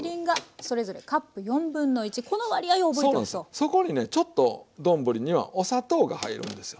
そこにねちょっと丼にはお砂糖が入るんですよ。